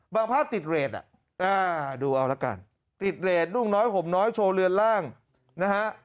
ภาพติดเรทดูเอาละกันติดเรทนุ่งน้อยห่มน้อยโชว์เรือนล่างนะฮะ